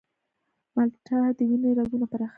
مالټه د وینې رګونه پراخوي.